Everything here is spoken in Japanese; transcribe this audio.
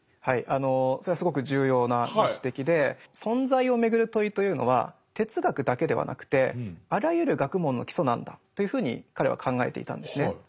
はいあのそれはすごく重要なご指摘で存在をめぐる問いというのは哲学だけではなくてあらゆる学問の基礎なんだというふうに彼は考えていたんですね。